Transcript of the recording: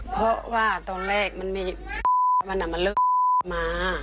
เพราะว่าตอนแรกมันมีมันอ่ะมันเลิกมา